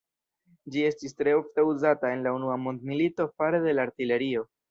Ĝi estis tre ofta uzata en la unua mondmilito fare de la artilerio.